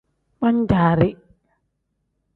Pan-jaari.